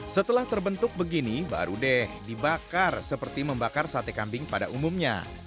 setelah terbentuk begini baru deh dibakar seperti membakar sate kambing pada umumnya